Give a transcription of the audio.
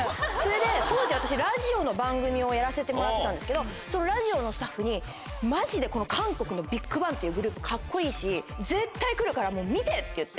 当時私ラジオの番組をやらせてもらってたんですけどそのラジオのスタッフにマジで韓国のＢＩＧＢＡＮＧっていうグループカッコいいし。って言って。